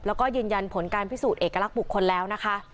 แล้วก็ยืนยันผลการพิสูจน์เอกลักษณ์บุคคลแล้วนะคะ